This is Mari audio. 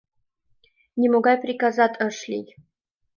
Нимогай приказат ыш лий.